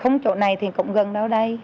không chỗ này thì cũng gần đâu đây